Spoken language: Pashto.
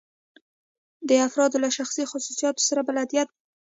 د افرادو له شخصي خصوصیاتو سره بلدیت.